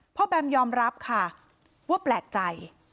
พ่อแบมยอมรับว่าแปลกใจ